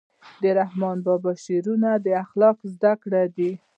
د رحمان بابا شعرونه اخلاقي زده کړه ده.